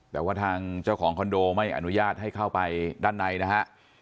แต่ว่าทางเจ้าของคอนโดไม่อนุญาตให้เข้าไปด้านในนะฮะ